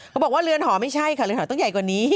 บอกว่าเรือนหอไม่ใช่ค่ะเรือนหอต้องใหญ่กว่านี้